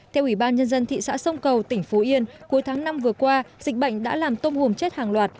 theo ủy ban nhân dân thị xã sông cầu tỉnh phú yên cuối tháng năm vừa qua dịch bệnh đã làm tôm hùm chết hàng loạt